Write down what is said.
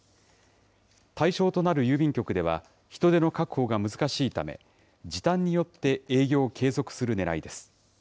対象となる郵便局では人手の確保が難しいため、時短によって営業を継続するねらいです。